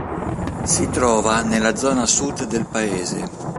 Si trova nella zona Sud del Paese.